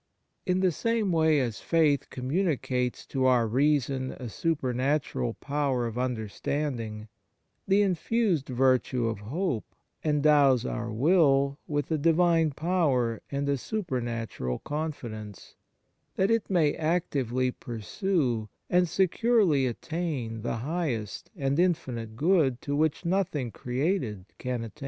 In the same way as faith com municates to our reason a supernatural power of understanding, the infused virtue of hope endows our will with a Divine power and a supernatural confi dence, that it may actively pursue and securely attain the highest and infinite good to which nothing created can attain.